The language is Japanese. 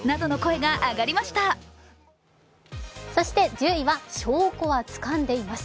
１０位は証拠は掴んでいます。